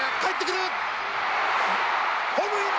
ホームイン！